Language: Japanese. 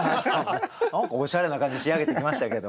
おしゃれな感じに仕上げてきましたけど。